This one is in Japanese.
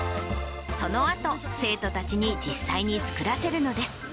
そのあと、生徒たちに実際に作らせるのです。